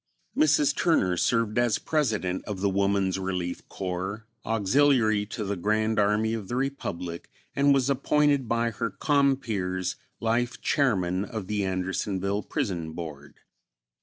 Mrs. Turner served as President of the Woman's Relief Corps, Auxiliary to the Grand Army of the Republic, and was appointed by her compeers as Life Chairman of the Andersonville Prison Board.